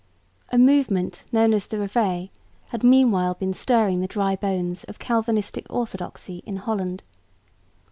A movement known as the Reveil had meanwhile been stirring the dry bones of Calvinistic orthodoxy in Holland.